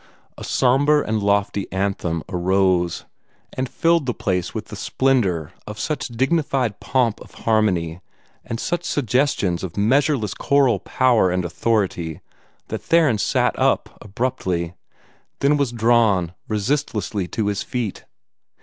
A sombre and lofty anthem arose, and filled the place with the splendor of such dignified pomp of harmony and such suggestions of measureless choral power and authority that Theron sat abruptly up, then was drawn resistlessly to his feet.